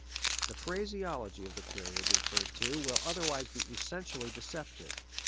The phraseology of the period referred to will otherwise be essentially deceptive.